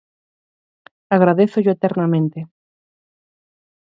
Agradézollo eternamente.